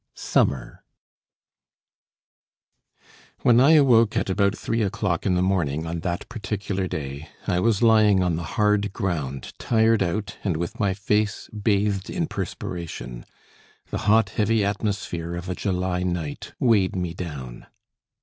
II SUMMER When I awoke at about three o'clock in the morning on that particular day, I was lying on the hard ground tired out, and with my face bathed in perspiration. The hot heavy atmosphere of a July night weighed me down.